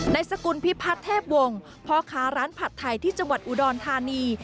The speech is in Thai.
สกุลพิพัฒน์เทพวงศ์พ่อค้าร้านผัดไทยที่จังหวัดอุดรธานี